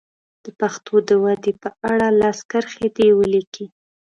د پښتو د ودې په اړه لس کرښې دې ولیکي.